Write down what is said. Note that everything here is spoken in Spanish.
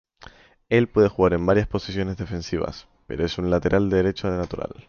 Él puede jugar en varias posiciones defensivas, pero es un lateral derecho natural.